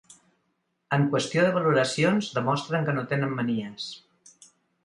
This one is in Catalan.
En qüestió de valoracions demostren que no tenen manies.